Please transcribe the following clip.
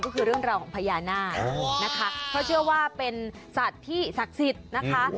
ก็คือเรื่องราวของพญานาคนะคะเพราะเชื่อว่าเป็นสัตว์ที่ศักดิ์สิทธิ์นะคะ